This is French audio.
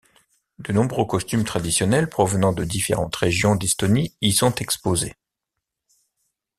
De nombreux costumes traditionnels provenant de différentes régions d'Estonie y sont exposés.